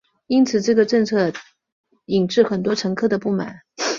因此这个政策引致很多乘客的不满。